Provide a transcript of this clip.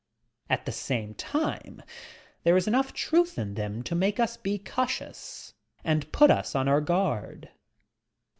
At the same time there is enough truth in them to maUe us be cautious and put us on our guard.